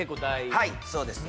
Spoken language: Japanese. はいそうですね